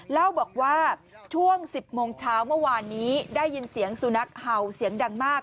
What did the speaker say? เล่าบอกว่าช่วง๑๐โมงเช้าเมื่อวานนี้ได้ยินเสียงสุนัขเห่าเสียงดังมาก